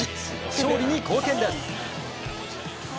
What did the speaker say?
勝利に貢献です。